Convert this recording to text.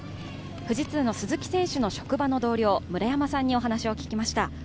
富士通の鈴木健吾選手の職場の同様、村山さんに話を聞きました。